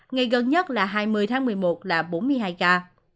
ngày gần nhất là hai mươi tháng một mươi một là bốn mươi hai ca